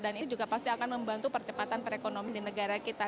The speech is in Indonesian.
dan ini juga pasti akan membantu percepatan perekonomian di negara kita